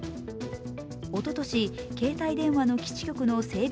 おととし携帯電話の基地局の整備